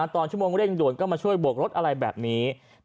ตอนชั่วโมงเร่งด่วนก็มาช่วยบวกรถอะไรแบบนี้